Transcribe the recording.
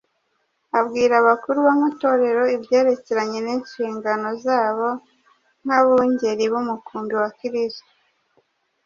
Abwira abakuru b’amatorero ibyerekeranye n’inshingano zabo nk’abungeri b’umukumbi wa kristo,